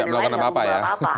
melakukan apa apa ya